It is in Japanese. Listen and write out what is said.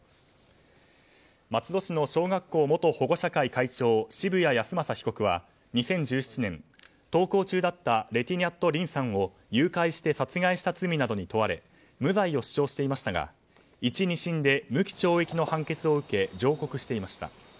松戸市の小学校元保護者会会長渋谷恭正被告は登校中だったレェ・ティ・ニャット・リンさんを殺害した罪などに問われ無罪を主張していましたが１、２審で無期懲役の判決を受け上告していました。